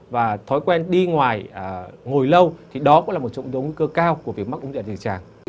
và thói quen đi ngoài ngồi lâu thì đó cũng là một trong những yếu tố nguy cơ cao của mắc ung thư đại trực tràng